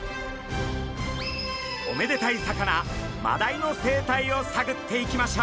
おめでたい魚マダイの生態をさぐっていきましょう！